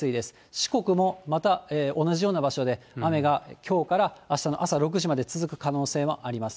四国もまた、同じような場所で雨が、きょうからあしたの朝６時まで続く可能性もあります。